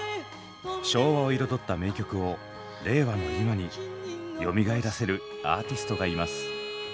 昭和を彩った名曲を令和の今によみがえらせるアーティストがいます。